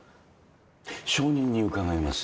証人に伺います。